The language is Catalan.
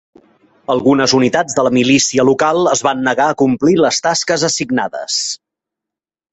Algunes unitats de la milícia local es van negar a complir les tasques assignades.